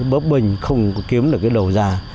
bớt bình không kiếm được cái đầu gia